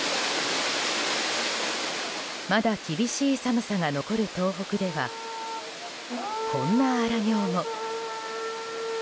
まだ厳しい寒さが残る東北ではこんな荒行も。